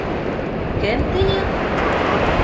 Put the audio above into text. Кем тейә?